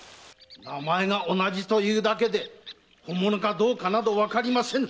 名前が同じというだけで本物かどうかわかりませぬ。